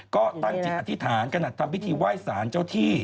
ก็ตั้งจิตอธิษฐานขนาดทำพิธีไหว้สารเจ้าที่